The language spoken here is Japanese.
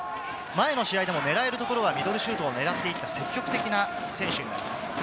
前の試合でも狙える所はミドルシュートを狙っていた積極的な選手になります。